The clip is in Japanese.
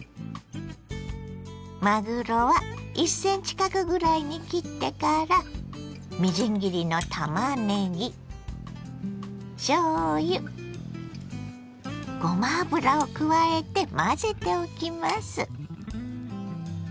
まぐろは１ｃｍ角ぐらいに切ってからみじん切りのたまねぎしょうゆごま油を加えて混ぜておきます。